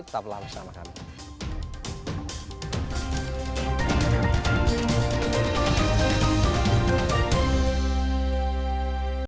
tetap berlangsung sama kami